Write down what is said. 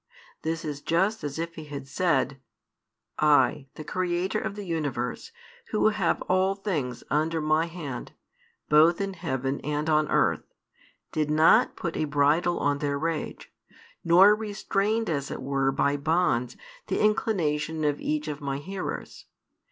This is just as if He had said: "I, the Creator of the Universe, Who have all things under My hand, both in heaven and on earth, did not put a bridle on their rage, nor restrained as it were by bonds the inclination of each of my hearers.